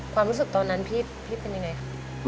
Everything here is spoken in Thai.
ความรู้สึกตอนนั้นพี่เป็นยังไงคะ